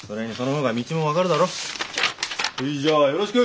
ほいじゃあよろしく！